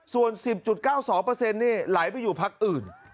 ส่วน๑๐๙๒นี่ไหลไปอยู่พักอื่น